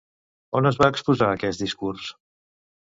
On es va exposar aquest discurs?